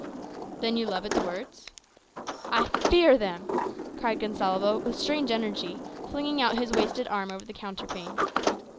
"Then you love its words?" "I fear them," cried Gonsalvo, with strange energy, flinging out his wasted arm over the counterpane.